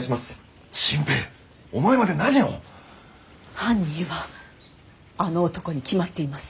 犯人はあの男に決まっています。